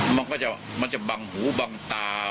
มันก็จะบังหูบังตา